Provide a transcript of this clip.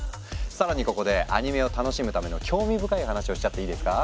更にここでアニメを楽しむための興味深い話をしちゃっていいですか？